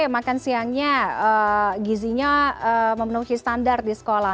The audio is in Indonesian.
makan siangnya gizinya memenuhi standar di sekolah